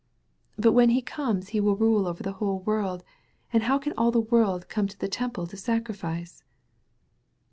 '* "But when He comes He will rule over the whole world, and how can all the world come to the Tem ple to sacrifice?"